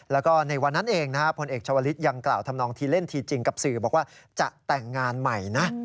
แล้วก็ในวันนั้นเองนะฮะพลเอกชาวลิศยังกล่าวทำนองทีเล่นทีจริงกับสื่อบอกว่าจะแต่งงานใหม่นะ